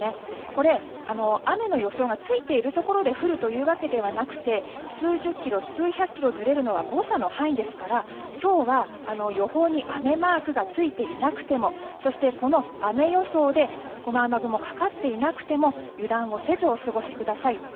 これ、雨の予想がついているところで降るというわけではなくて数十キロ数百キロずれるのは誤差の範囲ですから今日は、予報に雨マークがついていなくてもそして、この雨予想で雨雲がかかっていなくても油断をせずお過ごしください。